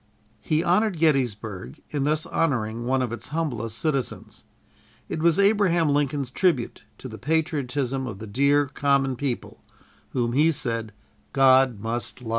He honored Gettysburg in thus honoring one of its humblest citizens. It was Abraham Lincoln's tribute to the patriotism of the dear "common people" whom he said "God must love."